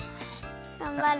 がんばれ！